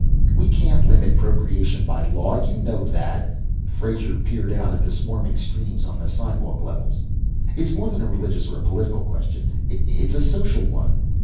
"We can't limit procreation by law. You know that." Frazer peered out at the swarming streams on the sidewalk levels. "It's more than a religious or a political question it's a social one.